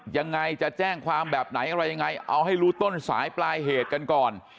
ยังไงจะแจ้งความแบบไหนอะไรยังไงเอาให้รู้ต้นสายปลายเหตุกันก่อน